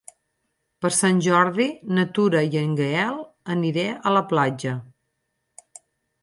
Per Sant Jordi na Tura i en Gaël aniré a la platja.